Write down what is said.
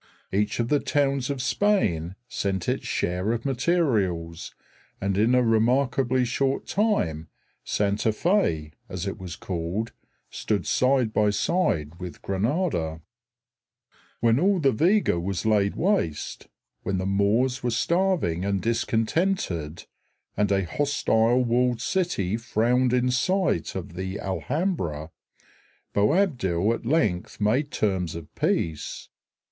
Each of the towns of Spain sent its share of materials and in a remarkably short time Santa Fé, as it was called, stood side by side with Granada. When all the vega was laid waste, when the Moors were starving and discontented, and a hostile walled city frowned in sight of the Alhambra, Boabdil at length made terms of peace.